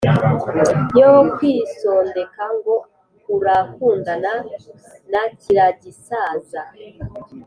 yokwisondeka ngo urakundana na kiragisaza